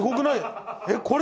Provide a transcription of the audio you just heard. これ。